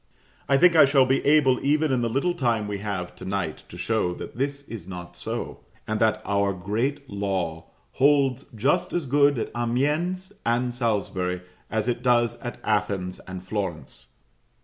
I think I shall be able, even in the little time we have to night, to show that this is not so; and that our great law holds just as good at Amiens and Salisbury, as it does at Athens and Florence.